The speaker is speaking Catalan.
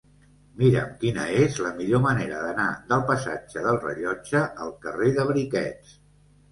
Mira'm quina és la millor manera d'anar del passatge del Rellotge al carrer de Briquets.